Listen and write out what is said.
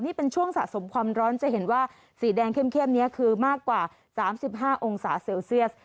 นี่เป็นช่วงสะสมความร้อนจะเห็นว่าสีแดงเข้มนี้คือมากกว่า๓๕องศาเซลเซียส